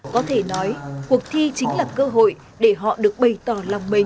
có thể nói cuộc thi chính là cơ hội để họ được bày tỏ lòng mình